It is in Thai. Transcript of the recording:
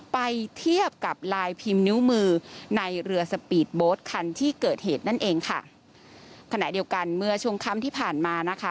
ไปเทียบกับลายพิมพ์นิ้วมือในเรือสปีดโบ๊ทคันที่เกิดเหตุนั่นเองค่ะขณะเดียวกันเมื่อช่วงค่ำที่ผ่านมานะคะ